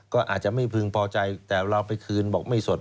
ก็อาจจะไม่พึงพอใจแต่เราไปคืนบอกไม่สด